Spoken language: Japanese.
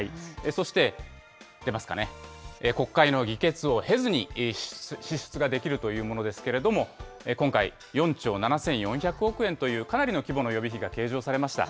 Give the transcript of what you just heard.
そして出ますかね、国会の議決を経ずに支出ができるというものですけれども、今回、４兆７４００億円というかなりの規模の予備費が計上されました。